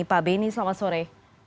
pak beni selamat sore